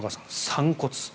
散骨。